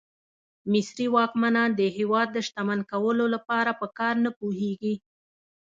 مصري واکمنان د هېواد د شتمن کولو لپاره په کار نه پوهېږي.